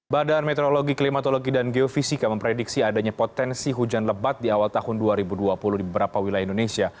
badan meteorologi klimatologi dan geofisika memprediksi adanya potensi hujan lebat di awal tahun dua ribu dua puluh di beberapa wilayah indonesia